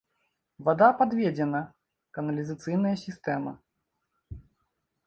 Вада падведзена, каналізацыйная сістэма.